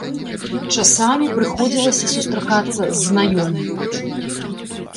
Часамі прыходзілася сустракацца з знаёмымі.